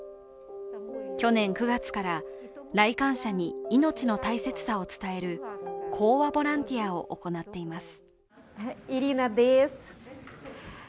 去年９月から来館者に命の大切さを伝える講話ボランティアを行っています。